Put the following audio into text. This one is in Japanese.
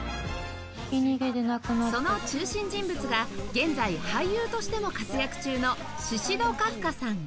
その中心人物が現在俳優としても活躍中のシシド・カフカさん